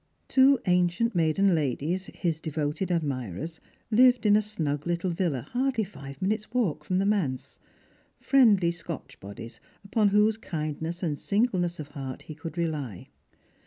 Two ancient maiden ladies, his devoted admirers, lived in a snug little villa hardly five minutes' walk from the manse — friendly Scotch bodies, upon whose kindness and singleness of heart he could rely.